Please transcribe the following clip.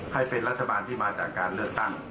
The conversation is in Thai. ให้เป็นรัฐบาลที่มาจากการเลือกตั้ง